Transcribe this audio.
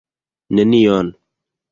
Nenion.